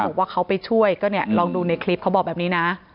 บอกว่าเขาไปช่วยก็เนี่ยลองดูในคลิปเขาบอกแบบนี้นะ